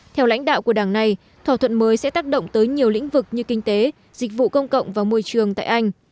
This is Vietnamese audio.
theo lãnh đạo của đảng này thỏa thuận mới sẽ tác động tới nhiều lĩnh vực như kinh tế dịch vụ công cộng và môi trường tại anh